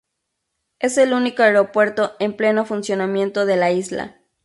Es el único aeropuerto en pleno funcionamiento de la isla.